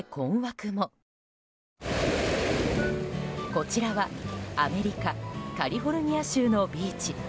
こちらは、アメリカ・カリフォルニア州のビーチ。